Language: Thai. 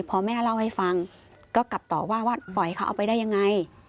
พอแม่เล่าให้ฟังก็กลับต่อว่าว่าปล่อยเขาเอาไปได้ยังไง